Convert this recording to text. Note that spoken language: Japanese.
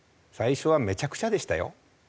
最初はめちゃくちゃでしたよ。